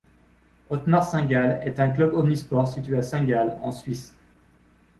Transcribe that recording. Otmar Saint-Gall est un club omnisports situé à Saint-Gall en Suisse.